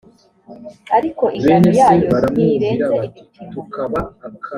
ariko ingano yayo ntirenze ibipimo